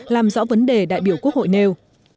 làm rõ vấn đề đại biểu quốc hội nêu